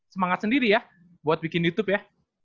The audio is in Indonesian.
semangat sendiri ya buat bikin youtube ya